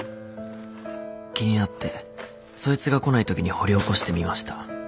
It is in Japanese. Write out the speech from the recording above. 気になってそいつが来ないときに掘り起こしてみました。